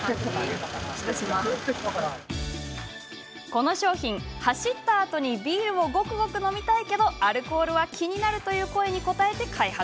この商品、走ったあとにビールをごくごく飲みたいけれどアルコールは気になるという声に応えて開発。